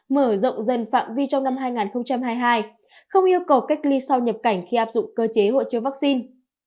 mở rộng dân phạm vi trong năm hai nghìn hai mươi hai không yêu cầu cách ly sau nhập cảnh khi áp dụng cơ chế hộ chiếu vaccine